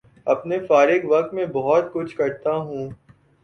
اپنے فارغ وقت میں بہت کچھ کرتا ہوں